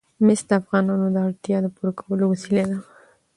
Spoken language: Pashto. مس د افغانانو د اړتیاوو د پوره کولو وسیله ده.